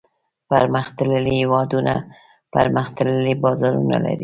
پرمختللي هېوادونه پرمختللي بازارونه لري.